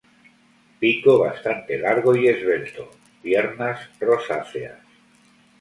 Pico bastante largo y esbelto; piernas rosáceas.